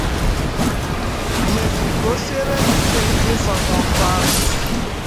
mèzịrị ka o siere ya ike ịsọnyụ ọkụ ahụ